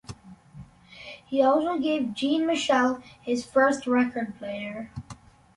He also gave Jean-Michel his first record player.